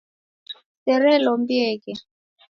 Serelombieghe